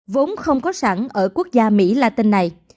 vốn không có sẵn ở quốc gia mỹ latin này